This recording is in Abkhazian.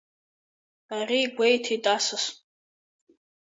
Ари гәеиҭеит асас.